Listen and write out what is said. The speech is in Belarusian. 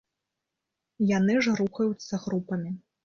Яны ж рухаюцца групамі.